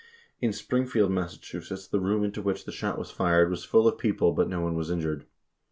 31 In Springfield, Mass., the room into which the shot was fired was full of people but no one was injured.